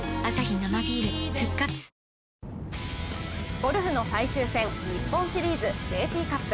ゴルフの最終戦日本シリーズＪＴカップ。